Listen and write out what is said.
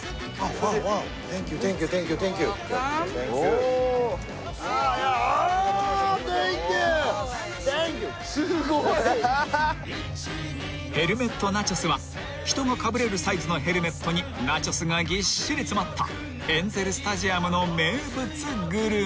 Ｙｏｕ’ｒｅＷｅｌｃｏｍｅ．［ヘルメットナチョスは人がかぶれるサイズのヘルメットにナチョスがぎっしり詰まったエンゼルスタジアムの名物グルメ］